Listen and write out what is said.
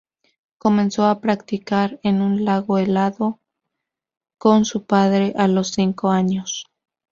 Comenzó a practicar en un lago helado con su padre a los cinco años.